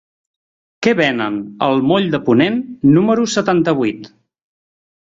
Què venen al moll de Ponent número setanta-vuit?